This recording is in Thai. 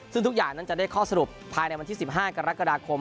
ซึ่งทุกอย่างนั้นจะได้ข้อสรุปภายในวันที่๑๕กรกฎาคม